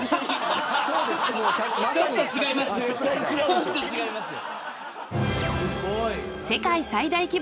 ちょっと違いますよ。